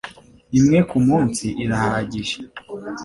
imwe ku munsi irahagije